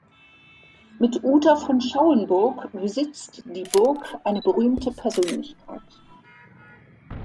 Mit Uta von Schauenburg besitzt die Burg eine berühmte Persönlichkeit.